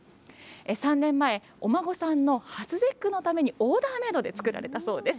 ３年前、お孫さんの初節句のためにオーダーメードで作られたそうです。